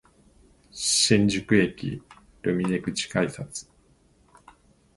新宿駅ルミネ口改札